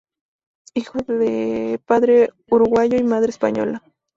Hijo de padre uruguayo y madre española.